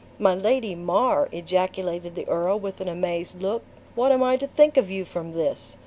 "My Lady Mar!" ejaculated the earl, with an amazed look, "what am I to think of you from this?